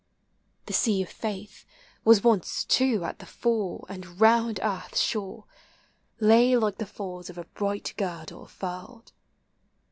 The sea of faith Was once, too, at the full, and round earth's shore Lay like the folds of a bright girdle furled.